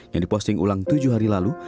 yang diposting ulang tujuh hari lalu